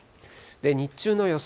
日中の予想